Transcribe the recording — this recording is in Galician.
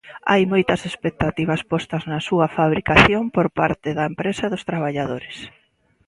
Hai moitas expectativas postas na súa fabricación por parte da empresa e dos traballadores.